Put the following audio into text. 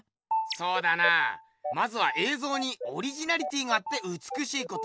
そうだなまずはえいぞうにオリジナリティーがあってうつくしいこと。